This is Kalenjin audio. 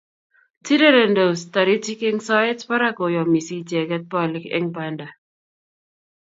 Tirirendos taritik eng soet barak koyomisi icheget bolik eng banda